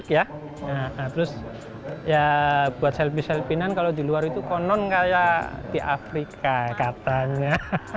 nah terus ya buat selfie selfinan kalau di luar itu konon kayak di afrika katanya